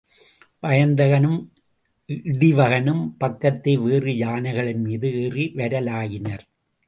வயந்தகனும் இடிவகனும் பக்கத்தே வேறு யானைகளின்மீது ஏறி வரலாயினர்.